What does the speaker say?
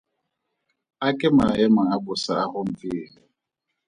A ke maemo a bosa a gompieno.